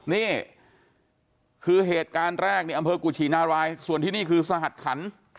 นี่คือเหตุการณ์แรกในอำเภอกุชินารายส่วนที่นี่คือสหัสขัน